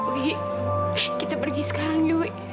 wih kita pergi sekarang yuk